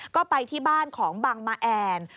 ก็ไปที่บ้านของบังมาแอน